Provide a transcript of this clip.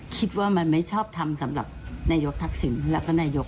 คิดว่ามันไม่ชอบทำสำหรับนายกทักศิลป์และก็นายกจิงหลัก